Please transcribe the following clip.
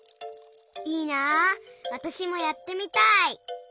いいなあわたしもやってみたい。